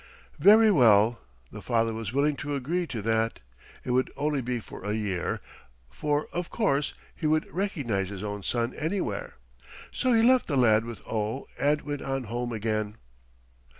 Very well, the father was willing to agree to that. It would only be for a year, for of course he would recognize his own son anywhere. So he left the lad with Oh and went on home again.